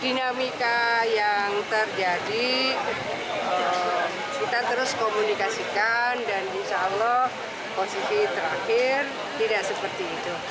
jadi dinamika yang terjadi kita terus komunikasikan dan insya allah posisi terakhir tidak seperti itu